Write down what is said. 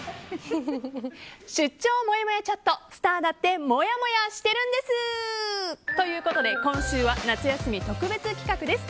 出張もやもやチャットスターだってもやもやしてるんです！ということで今週は夏休み特別企画です。